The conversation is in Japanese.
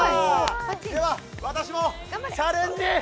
では、私も、チャレンジ！